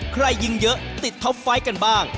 ใครยิงเยอะติดท็อปไฟต์กันบ้าง